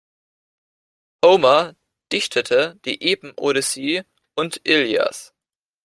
Homer dichtete die Epen Odyssee und Ilias.